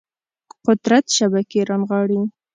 قدرت شبکې رانغاړي